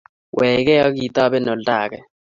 Wechgei akitoben oldo age